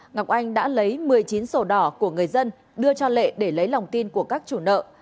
ngọc anh đã lấy một mươi chín sổ đỏ của người dân đưa cho lệ để lấy lòng tin của các chủ nợ